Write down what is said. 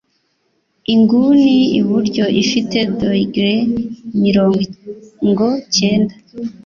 Inguni iburyo ifite dogere mirongo cyenda.